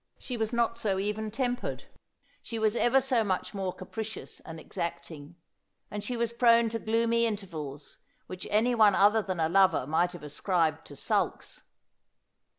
She was not so even tempered. She was ever so much more capricious and exacting ; and she was prone to gloomy intervals which anyone other than a lover might have ascribed to sulks.